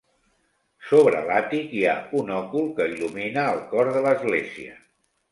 Sobre l'àtic hi ha un òcul que il·lumina el cor de l'església.